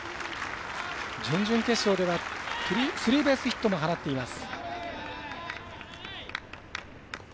準々決勝ではスリーベースヒットも放っています。